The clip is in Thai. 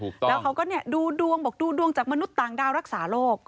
เขาก็ดูดวงบอกดูดวงจากมนุษย์ต่างดาวรักษาโรค